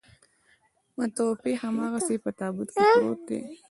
متوفي هماغسې په تابوت کې پروت دی.